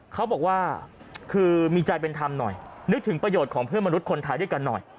เขาบอกว่าคือมีใจเป็นธรรมหน่อยนึกถึงประโยชน์ของเพื่อนมนุษย์คนไทยด้วยกันหน่อย